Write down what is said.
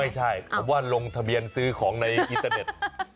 ไม่ใช่ผมว่าลงทะเบียนซื้อของในอินเตอร์เน็ต